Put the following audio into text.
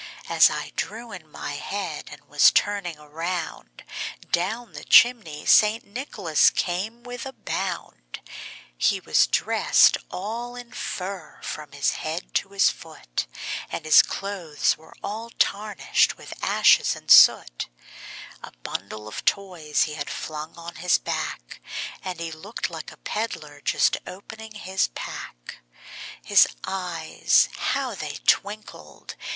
As I drew in my head, and was turning around, Down the chimney St. Nicholas came with a bound. He was dressed all in fur from his head to his foot, And his clothes were all tarnished with ashes and soot; A bundle of toys he had flung on his back, And he looked like a peddler just opening his pack; His eyes how they twinkled!